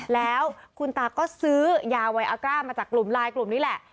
แล้วคุณตาก็ซื้อยาไวอากร้ามาจากกลุ่มไลน์กลุ่มนี้แหละ